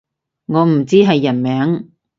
我唔知係人名